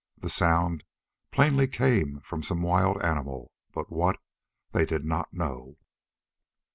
The sound plainly come from some wild animal, but what, they did not know.